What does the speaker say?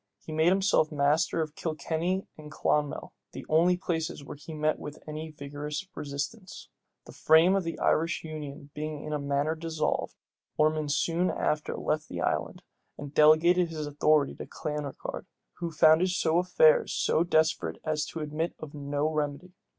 He made himself master of Kilkenny and Clonmel, the only places where he met with any vigorous resistance. The whole frame of the Irish union being in a manner dissolved, Ormond soon after left the island, and delegated his authority to Clanricarde, who found affairs so desperate as to admit of no remedy.